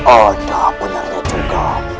ada benarnya juga